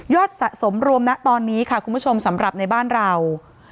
สะสมรวมนะตอนนี้ค่ะคุณผู้ชมสำหรับในบ้านเรา